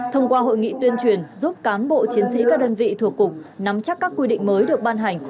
thông qua hội nghị tuyên truyền giúp cán bộ chiến sĩ các đơn vị thuộc cục nắm chắc các quy định mới được ban hành